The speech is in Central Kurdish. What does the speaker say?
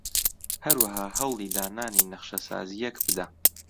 هەروەها هەوڵی دانانی نەخشەسازییەک بدە